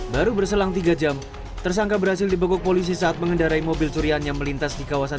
baru berselang tiga jam tersangka berhasil dibekuk polisi saat mengendarai mobil curiannya melintas di kawasan